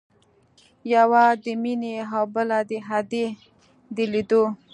يوه د مينې او بله د ادې د ليدو.